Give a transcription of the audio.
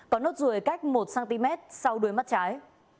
có nốt ruồi cách một cm sau đuôi mắt trái